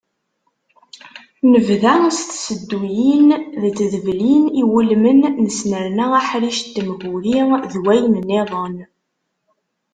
Nebda s tisedduyin d tdeblin iwulmen, nesnerna aḥric n temguri d wayen-nniḍen.